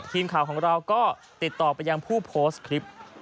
ทีมข่าวของเราก็ติดต่อไปยังผู้โพสต์คลิป